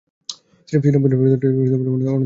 শ্রীরামপুর ত্রয়ীর অন্যতম Joshua Marshman তার বাবা।